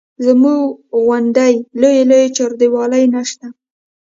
زموږ غوندې لویې لویې چاردیوالۍ نه شته.